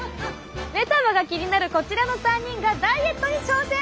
メタボが気になるこちらの３人がダイエットに挑戦！